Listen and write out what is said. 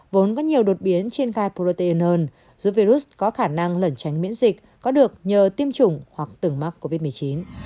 vốn có nhiều đột biến trên gai protein hơn giúp virus có khả năng lẩn tránh miễn dịch có được nhờ tiêm chủng hoặc từng mắc covid một mươi chín